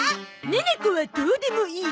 ネネ子はどうでもいい。